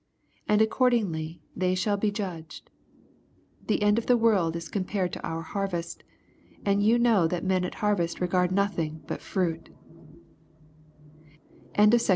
And accordingly they shall be judged. The end of the world is eompared to our harvest ; and you know that men at harvest regard nothing but fruit" LUKE VII.